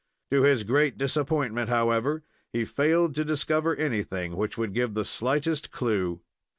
To his great disappointment, however, he failed to discover anything which would give the slightest clue.